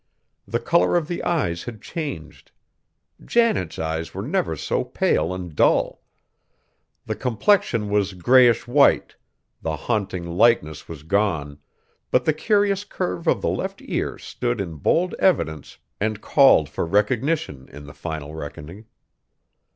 The color of the eyes had changed. Janet's eyes were never so pale and dull. The complexion was grayish white the haunting likeness was gone but the curious curve of the left ear stood in bold evidence and called for recognition in the final reckoning.